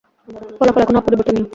ফলাফল এখনও অপরিবর্তনীয়।